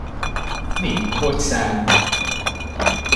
Ni, hogy száll!